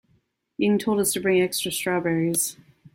Ying told us to bring extra strawberries.